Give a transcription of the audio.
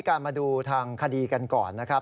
การมาดูทางคดีกันก่อนนะครับ